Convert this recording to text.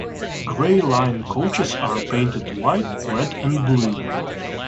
Gray Line coaches are painted white, red and blue.